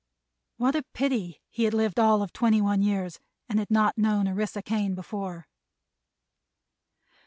What a pity he had lived all of twenty one years and had not known Orissa Kane before!